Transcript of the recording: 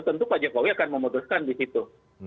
tentu pak jokowi akan memutuskan di situ